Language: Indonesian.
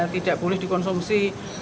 tidak boleh dikonsumsi